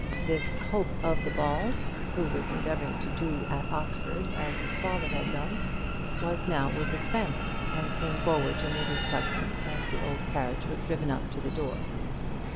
This hope of the Balls, who was endeavouring to do at Oxford as his father had done, was now with his family, and came forward to meet his cousin as the old carriage was driven up to the door.